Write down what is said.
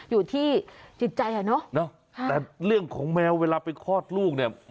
อยู่ที่จิตใจอ่ะเนอะแต่เรื่องของแมวเวลาไปคลอดลูกเนี่ย